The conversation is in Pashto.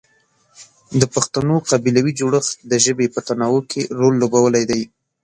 د پښتنو قبیلوي جوړښت د ژبې په تنوع کې رول لوبولی دی.